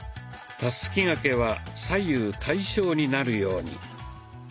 「たすき掛け」は左右対称になるように。